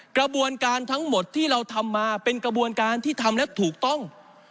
กระบวนการทั้งหมดที่เราทำมาเป็นกระบวนการที่ทำและถูกต้อง